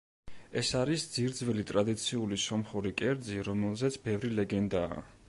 ეს არის ძირძველი ტრადიციული სომხური კერძი, რომელზეც ბევრი ლეგენდაა.